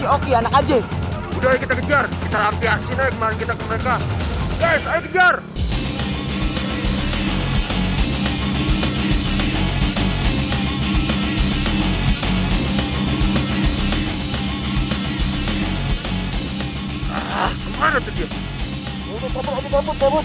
oke anak aja udah kita kejar terhampir asli kemarin kita ke mereka